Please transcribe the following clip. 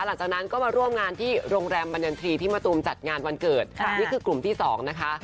หลังจากนั้นก็มาร่วมงานที่โรงแรมบรรยันทรีย์ที่มะตูมจัดงานวันเกิดนี่คือกลุ่มที่สองนะคะ